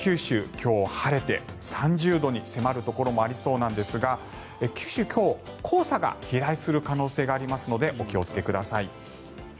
今日は晴れて３０度に迫るところもありそうなんですが九州、今日黄砂が飛来する可能性がありますのでお気をつけください。